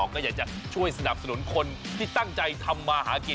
ก็อยากจะช่วยสนับสนุนคนที่ตั้งใจทำมาหากิน